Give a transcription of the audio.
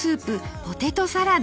ポテトサラダ。